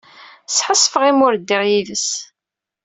Sḥassfeɣ imi ur ddiɣ yid-s.